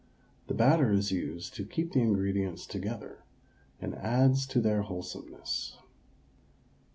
The batter is used to keep the ingredients together, and adds to their wholesomeness.